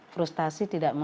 frustrasi tidak ada